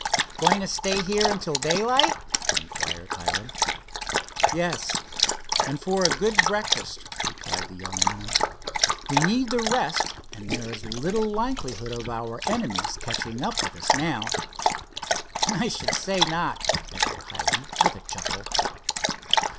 "Going to stay here until daylight?" inquired Hiram. "Yes, and for a good breakfast," replied the young airman. "We need the rest, and there is little likelihood of our enemies catching up with us now." "I should say not," echoed Hiram with a chuckle.